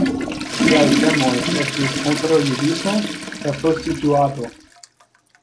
Tiaj temoj estis kontraŭjudismo kaj prostituado.